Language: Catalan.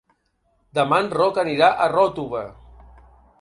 Demà en Roc anirà a Ròtova.